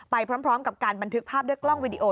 ไปพร้อมกับการบันทึกภาพด้วยกล้องวิดีโอ